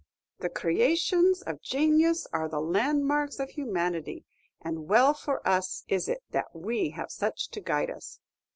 The creations of janius are the landmarks of humanity; and well for us is it that we have such to guide us!"